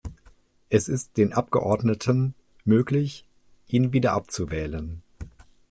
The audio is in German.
Es ist den Abgeordneten möglich, ihn wieder abzuwählen.